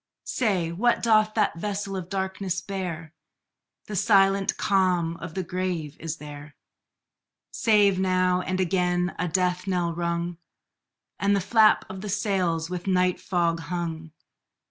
Say, what doth that vessel of darkness bear? The silent calm of the grave is there, Save now and again a death knell rung, And the flap of the sails with night fog hung.